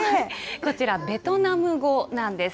こちら、ベトナム語なんです。